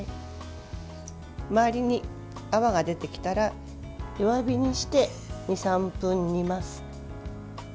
周りに泡が出てきたら弱火にして２３分煮ます。